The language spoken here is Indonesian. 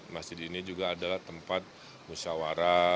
masjid ini juga adalah tempat musyawarah